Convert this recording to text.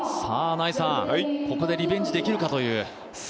ここでリベンジできるかという。